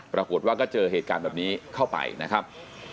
ปรากฏว่าก็เจอเหตุการณ์แบบนี้เข้าไปนะครับ